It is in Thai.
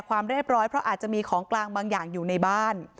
ความเรียบร้อยเพราะอาจจะมีของกลางบางอย่างอยู่ในบ้าน